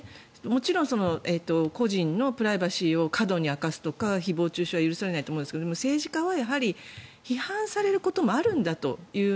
もちろん、個人のプライバシーを過度に明かすとか誹謗・中傷は許されないと思うんですがでも政治家は、批判されることもあるんだという。